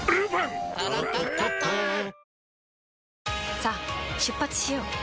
さあ出発しよう。